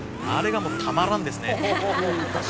あれがもうたまらんですね。